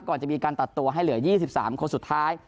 ก่อนจะมีการตัดตัวให้เหลือ๒๓คนสุดท้าย